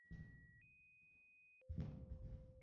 上海静安香格里拉大酒店网址